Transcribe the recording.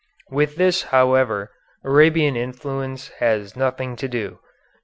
With this, however, Arabian influence has nothing to do.